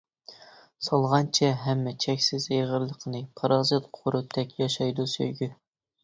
سالغانچە ھەم چەكسىز ئېغىرلىقىنى پارازىت قۇرۇتتەك ياشايدۇ سۆيگۈ.